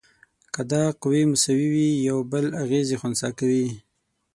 که دا قوې مساوي وي یو بل اغیزې خنثی کوي.